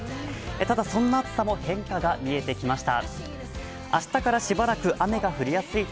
ただ、そんな暑さも変化が見えてきました。